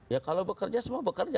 ya kalau bekerja semua bekerja